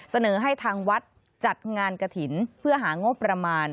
เสนอให้ทางวัดจัดงานกระถิ่นเพื่อหางบประมาณ